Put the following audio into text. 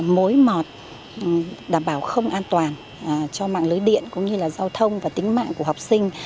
mối mọt đảm bảo không an toàn cho mạng lưới điện cũng như là giao thông và tính mạng của học sinh